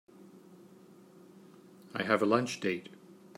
I have a lunch date.